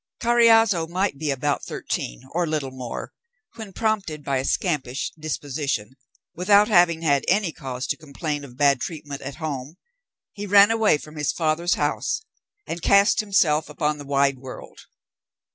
Carriazo might be about thirteen or little more, when, prompted by a scampish disposition, without having had any cause to complain of bad treatment at home, he ran away from his father's house, and cast himself upon the wide world.